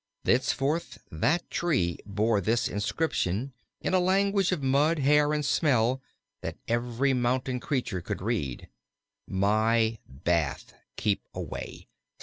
Thenceforth that tree bore this inscription, in a language of mud, hair, and smell, that every mountain creature could read: My bath. Keep away!